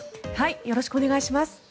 よろしくお願いします。